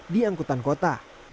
di angkutan kota